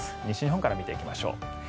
西日本から見ていきましょう。